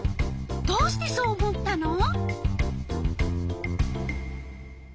どうしてそう思ったの？